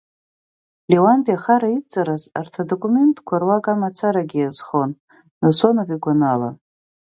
Леуанти ахара идҵараз арҭ адокументқәа руак амацарагьы азхон, Насонов игәаныла.